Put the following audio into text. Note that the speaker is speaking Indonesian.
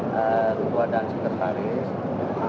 ketua dan sekretaris